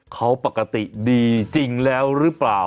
เขาปกติดีจริงแล้วหรือเปล่า